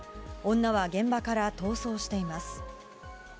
女は現場から逃走しています。